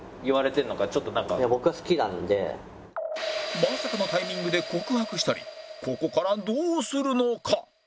まさかのタイミングで告白したりここからどうするのか？